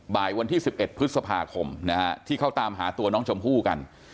วันที่๑๑พฤษภาคมนะฮะที่เขาตามหาตัวน้องชมพู่กัน